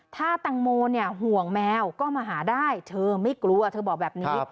ถ้าแตงโมห่วงแมวก็มาหาได้เธอไม่กลัวเธอบอกแบบนี้